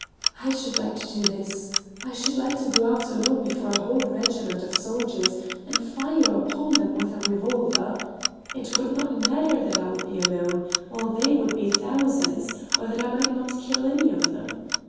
I should like to do this—I should like to go out alone before a whole regiment of soldiers and fire upon them with a revolver. It would not matter that I would be alone, while they would be thousands, or that I might not kill any of them.